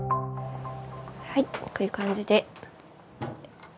はいこういう感じで。